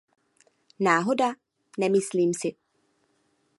Náhoda? Nemyslím si...